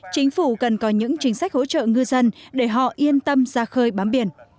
chính phủ cần có những chính sách hỗ trợ ngư dân để họ yên tâm ra khơi bám biển